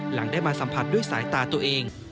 หลังได้มาสัมผัสด้วยสายตาตัวเอง